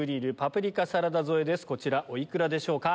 こちらお幾らでしょうか？